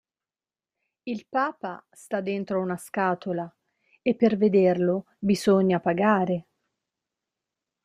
Il papa sta dentro una scatola, e per vederlo bisogna pagare.